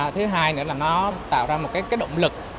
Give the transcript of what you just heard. thứ hai nữa là nó tạo ra một cái động lực